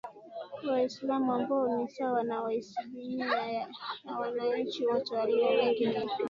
Waislamu ambao ni sawa na asilimia ya wananchi wote Walio wengi ni Wasunni